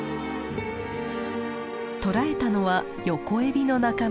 捕らえたのはヨコエビの仲間。